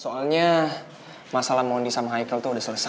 soalnya masalah mondi sama hicle tuh udah selesai